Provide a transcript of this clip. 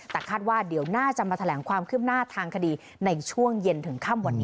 แต่คาดว่าเดี๋ยวน่าจะมาแถลงความคืบหน้าทางคดีในช่วงเย็นถึงค่ำวันนี้